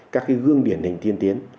các cái gương điển hình tiên tiến